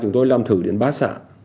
chúng tôi làm thử đến bán xã